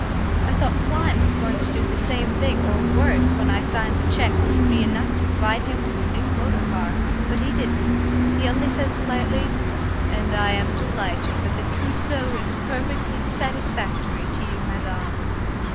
I thought Klein was going to do the same thing or worse when I signed the cheque which would be enough to provide him with a new motor car, but he didn't. He only said politely, "And I am delighted that the trousseau is perfectly satisfactory to you, madame."